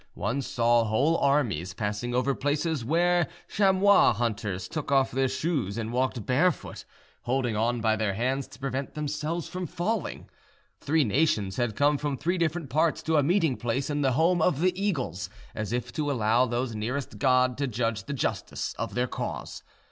One saw whole armies passing over places where chamois hunters took off their shoes and walked barefoot, holding on by their hands to prevent themselves from falling. Three nations had come from three different parts to a meeting place in the home of the eagles, as if to allow those nearest God to judge the justice of their cause.